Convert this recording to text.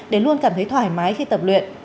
bạn sẽ thấy thoải mái khi tập luyện